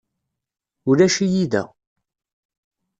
Ulac-iyi da.